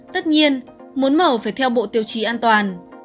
tất nhiên muốn mở phải theo bộ tiêu chí an toàn